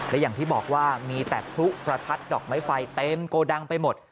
และอย่างที่บอกว่ามีแต่พลุประทัดดอกไม้ไฟเต็มโกดังไปหมด